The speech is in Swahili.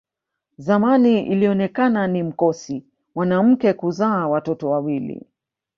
Zamani ilionekana ni mkosi mwanamke kuzaa watoto wawili